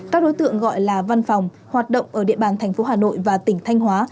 các đối tượng gọi là văn phòng hoạt động ở địa bàn thành phố hà nội và tỉnh thanh hóa